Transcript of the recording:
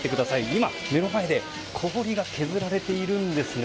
今、目の前で氷が削られているんですね。